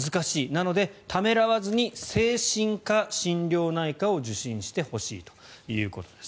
なので、ためらわずに精神科、心療内科を受診してほしいということです。